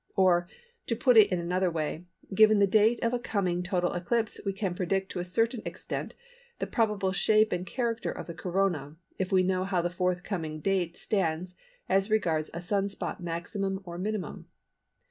Or, to put it in another way, given the date of a coming total eclipse we can predict to a certain extent the probable shape and character of the Corona if we know how the forthcoming date stands as regards a Sun spot maximum or minimum.